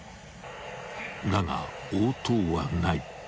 ［だが応答はない。